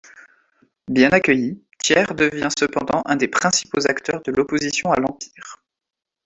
Bien accueilli, Thiers devient cependant un des principaux acteurs de l'opposition à l'Empire.